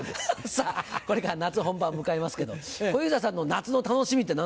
さぁこれから夏本番を迎えますけど小遊三さんの夏の楽しみって何ですか？